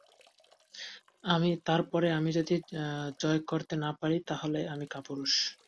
তার পরে আমি যদি জয় করতে না পারি তা হলে আমি কাপুরুষ।